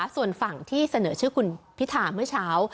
ส่วนฝั่งที่เสนอชื่อคุณพิธาเมื่อเช้า